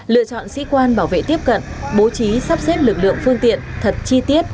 lựa chọn sĩ quan bảo vệ tiếp cận bố trí sắp xếp lực lượng phương tiện thật chi tiết